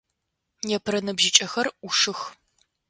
Непэрэ ныбжьыкӏэхзр ӏушых.